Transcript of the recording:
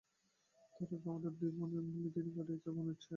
তার আগে আমরা দুই বুনোয় মিলে দিন কাটিয়েছি বনের ছায়ায়।